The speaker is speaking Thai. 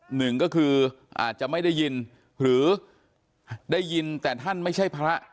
หนึ่งก็คืออาจจะไม่ได้ยินหรือได้ยินแต่ท่านไม่ใช่พระ